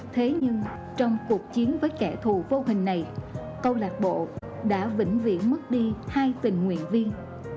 thế nhưng trong cuộc chiến với kẻ thù vô hình này câu lạc bộ đã vĩnh viễn mất đi hai tình nguyện viên